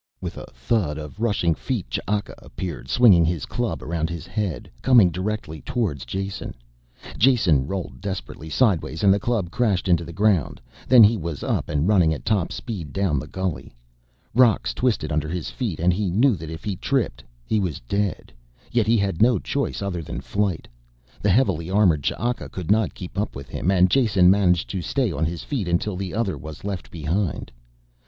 With a thud of rushing feet Ch'aka appeared, swinging his club around his head, coming directly towards Jason. Jason rolled desperately sideways and the club crashed into the ground, then he was up and running at top speed down the gully. Rocks twisted under his feet and he knew that if he tripped he was dead, yet he had no choice other than flight. The heavily armored Ch'aka could not keep up with him and Jason managed to stay on his feet until the other was left behind.